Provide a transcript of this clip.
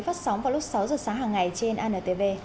phát sóng vào lúc sáu giờ sáng hàng ngày trên antv